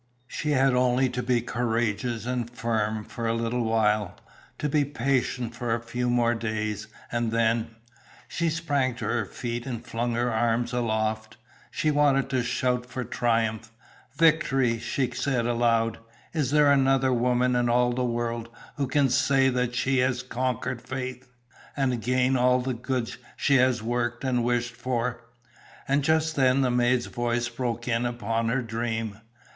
She had only to be courageous and firm for a little while. To be patient for a few more days, and then She sprang to her feet and flung her arms aloft. She wanted to shout for triumph. "Victory!" she said aloud. "Is there another woman in all the world who can say that she has conquered fate, and gained all the good she has worked and wished for?" And just then, the maid's voice broke in upon her dream.